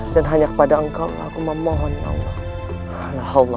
dan hanya kepada engkau lah aku memohon